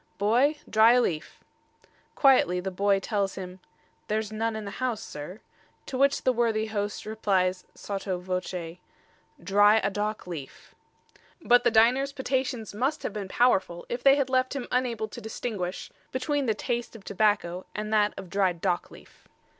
"Boy, dry a leaf." Quietly the boy tells him, "There's none in the house, sir," to which the worthy host replies sotto voce, "Dry a dock leaf." But the diner's potations must have been powerful if they had left him unable to distinguish between the taste of tobacco and that of dried dock leaf.